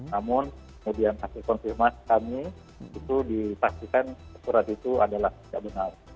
namun kemudian hasil konfirmasi kami itu dipastikan surat itu adalah tidak benar